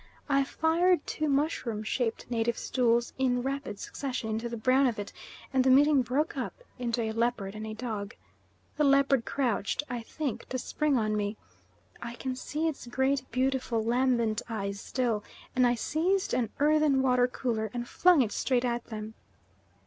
I fired two mushroom shaped native stools in rapid succession into the brown of it, and the meeting broke up into a leopard and a dog. The leopard crouched, I think to spring on me. I can see its great, beautiful, lambent eyes still, and I seized an earthen water cooler and flung it straight at them.